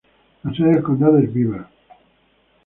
La sede del condado es Beaver.